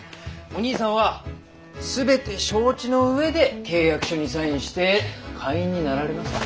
お兄さんは全て承知の上で契約書にサインして会員になられました。